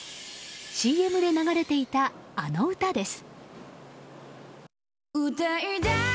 ＣＭで流れていた、あの歌です。